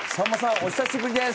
お久しぶりです。